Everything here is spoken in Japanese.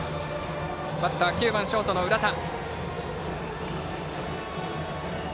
バッターは９番ショートの浦田。